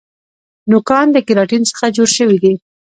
نوکان د کیراټین څخه جوړ شوي دي